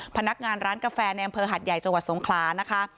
พนักงานร้านกาแฟในอำเภอหัดใหญ่จังหวัดสงขลานะคะ